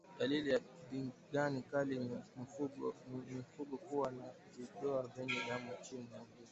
Dalili ya ndigana kali ni mfugo kuwa na vidoa vyenye damu chini ya ulimi